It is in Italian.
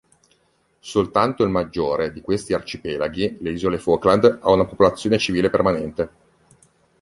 Soltanto il maggiore di questi arcipelaghi, le isole Falkland, ha una popolazione civile permanente.